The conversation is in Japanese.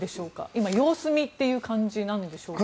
今、様子見という感じなんでしょうか。